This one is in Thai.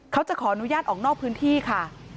เขาจะขออนุญาตออกนอกพื้นที่ค่ะ